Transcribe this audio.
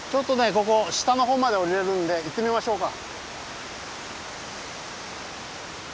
ここ下の方まで下りれるんで行ってみましょうか。